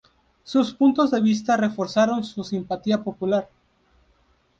Sus puntos de vista reforzaron su simpatía popular.